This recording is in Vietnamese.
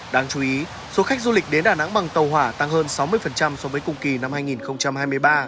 đáng chú ý số khách du lịch đến đà nẵng bằng tàu hỏa tăng hơn sáu mươi so với cùng kỳ năm hai nghìn hai mươi ba